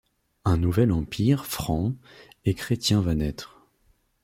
Un nouvel empire Franc et chrétien va naître.